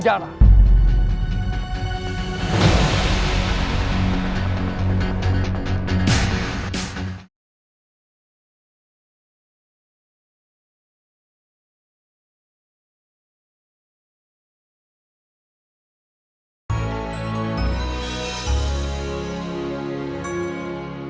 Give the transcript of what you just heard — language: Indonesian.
yang adil yang pantas untuk kamu apa